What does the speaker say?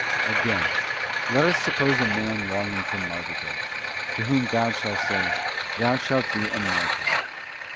Again: let us suppose a man longing for martyrdom, to whom God shall say, 'Thou shalt be a Martyr.